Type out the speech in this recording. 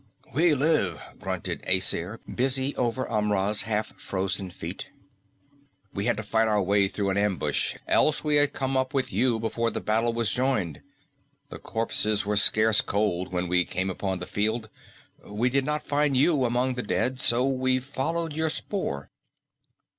"We live," grunted the Aesir, busy over Amra's half frozen feet. "We had to fight our way through an ambush, else we had come up with you before the battle was joined. The corpses were scarce cold when we came upon the field. We did not find you among the dead, so we followed your spoor.